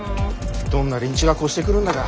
どんな連中が越してくるんだか。